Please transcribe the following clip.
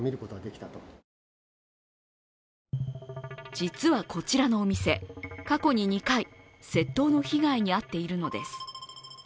実はこちらのお店、過去に２回、窃盗の被害に遭っているのです。